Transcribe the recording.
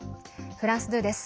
フランス２です。